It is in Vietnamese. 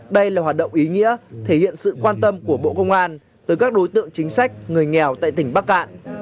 đây là hoạt động ý nghĩa thể hiện sự quan tâm của bộ công an tới các đối tượng chính sách người nghèo tại tỉnh bắc cạn